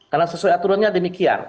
karena sesuai aturannya demikian